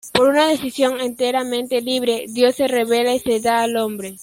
Por una decisión enteramente libre, Dios se revela y se da al hombre.